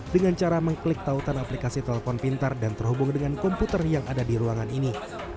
dengan cara mengklik tautan aplikasi telepon pintar dan terhubung dengan komputer yang ada di ruangan ini